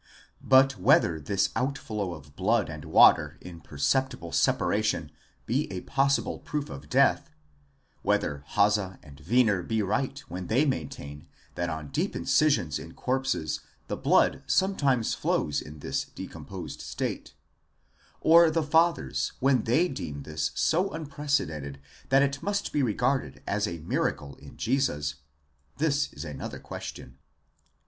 But whether this outflow of blood and water in per ceptible separation be a possible proof of death,—whether Hase and Winer be right when they maintain that on deep incisions in corpses the blood sometimes flows in this decomposed state; or the fathers, when they deem this so unprecedented that it must be regarded as a miracle in Jesus,—this is another question.